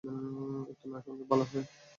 উত্তর না শুনলেই ভালো হবে।